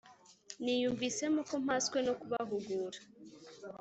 niyumvisemo ko mpaswe no kubahugura